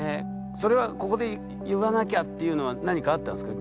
それはここで言わなきゃっていうのは何かあったんですか？